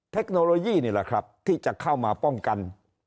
เทคโนโลยีนี่แหละครับที่จะเข้ามาป้องกัน